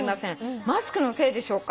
「マスクのせいでしょうか？